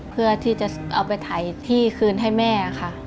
เพื่อที่จะเอาไปถ่ายที่คืนให้แม่ค่ะ